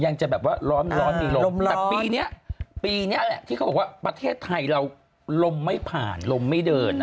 จะแบบว่าร้อนร้อนมีลมแต่ปีนี้ปีนี้แหละที่เขาบอกว่าประเทศไทยเราลมไม่ผ่านลมไม่เดิน